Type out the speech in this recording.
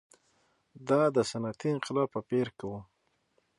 دا د صنعتي انقلاب په پېر کې و.